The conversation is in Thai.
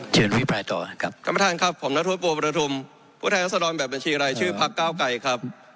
เชิญวินิจฉัยต่อครับท่านประทานครับผมนัทฤษฐ์ปัวประทุมผู้แท้อัสโดรณ์แบบบัญชีไรชื่อพักเก้าไก่ครับ